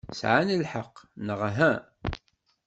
Sɛan lḥeqq, neɣ uhu?